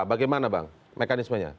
bagaimana bang mekanismenya